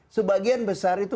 sebagian besar itu